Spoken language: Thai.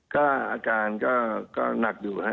ก็อาการก็หนักอยู่ฮะ